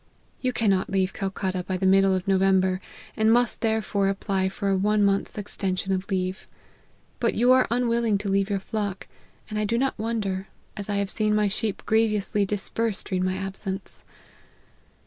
You cannot leave Calcutta by the middle of November, and must therefore apply for one month's extension of leave. But you are unwilling to leave your flock ; and I do not wonder, as I have seen my sheep grievously dis persed during my absence.